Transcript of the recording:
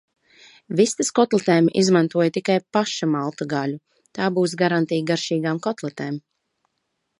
Vistas kotletēm izmantoju tikai paša maltu gaļu, tā būs garantija garšīgām kotletēm.